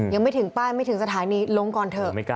ยังไม่ถึงป้ายไม่ถึงสถานีลงก่อนเถอะ